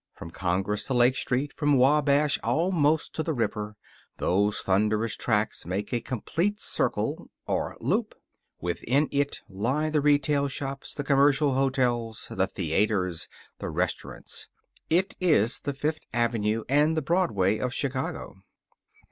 From Congress to Lake Street, from Wabash almost to the river, those thunderous tracks make a complete circle, or loop. Within it lie the retail shops, the commercial hotels, the theaters, the restaurants. It is the Fifth Avenue and the Broadway of Chicago.